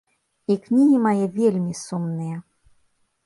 І кнігі мае вельмі сумныя.